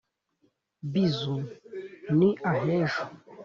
bizu ni ahejo.